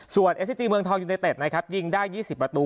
ส่วนเอสซิจีเมืองทองยูเนเต็ดนะครับยิงได้๒๐ประตู